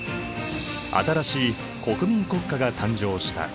新しい国民国家が誕生した。